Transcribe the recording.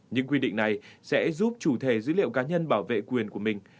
những quy định này sẽ giúp chủ thể dữ liệu cá nhân bảo vệ quyền của mình